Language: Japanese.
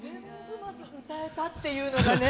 歌えたっていうのがね。